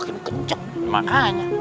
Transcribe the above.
makin kenceng makanya